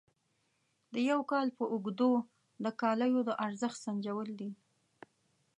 د یو کال په اوږدو د کالیو د ارزښت سنجول دي.